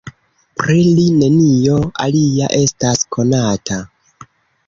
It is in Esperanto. Pri li nenio alia estas konata.